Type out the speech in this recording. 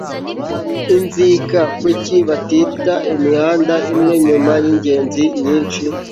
inzika, 'kuki batita imihanda imwe nyuma yingenzi nyinshi